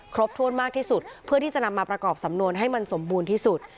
ครบถ้วนมากที่สุดเพื่อที่จะนำมาประกอบสำนวนให้มันสมบูรณ์ที่สุด